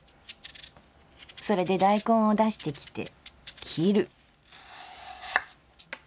それで大根を出してきて切る」。